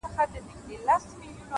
• ماته اوس هم راځي حال د چا د ياد؛